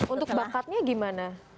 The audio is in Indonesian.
untuk bakatnya gimana